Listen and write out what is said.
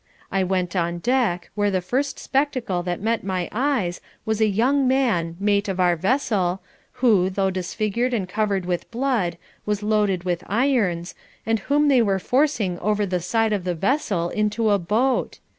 I went on deck, where the first spectacle that met my eyes was a young man, mate of our vessel, who, though disfigured and covered with blood, was loaded with irons, and whom they were forcing over the side of the vessel into a boat.